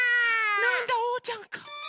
なんだおうちゃんか。